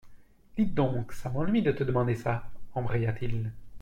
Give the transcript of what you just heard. Dis donc, ça m’ennuie de te demander ça, embraya-t-il